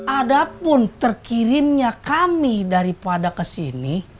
adapun terkirimnya kami daripada kesini